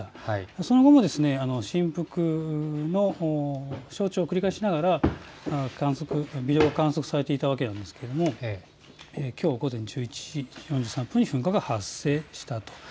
その後も振幅を繰り返しながら微動が観測されていたわけですがきょう午前１１時４３分に噴火が発生したと。